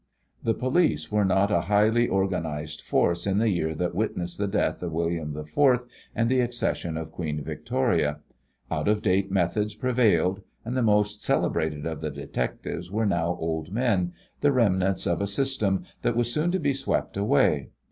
The police were not a highly organized force in the year that witnessed the death of William IV and the accession of Queen Victoria. Out of date methods prevailed, and the most celebrated of the detectives were now old men, the remnants of a system that was soon to be swept away.